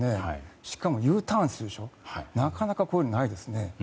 しかもＵターンするなかなかこういうのはないですね。